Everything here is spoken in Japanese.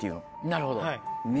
なるほど。